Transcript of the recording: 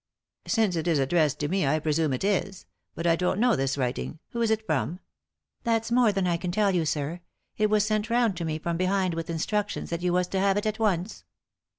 Since it is addressed to me, I presume it is. But I don't know this writing. Who's it from ?" "That's more than I can tell you, sir. It was sent round to me from behind with instructions that you was to have it at once."